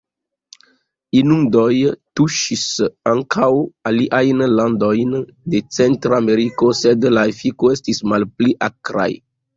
Inundoj tuŝis ankaŭ aliajn landojn de Centrameriko, sed la efiko estis malpli akraj.